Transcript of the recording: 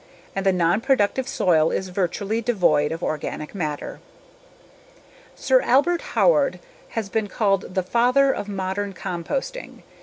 And the non productive soil is virtually devoid of organic matter. Sir Albert Howard has been called the 'father of modern composting.'